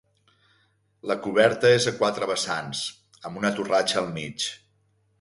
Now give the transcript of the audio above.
La coberta és a quatre vessants, amb una torratxa al mig.